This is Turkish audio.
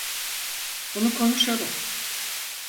Bunu konuşalım.